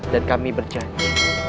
dan kami berjanji